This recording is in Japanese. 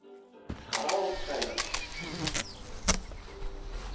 さばを使います。